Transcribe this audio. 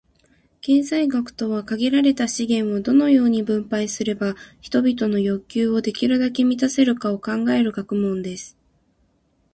経済学とは、「限られた資源を、どのように分配すれば人々の欲求をできるだけ満たせるか」を考える学問です。